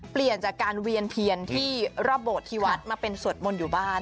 เปลี่ยนจากการเวียนเพียนที่รอบโบสถที่วัดมาเป็นสวดมนต์อยู่บ้าน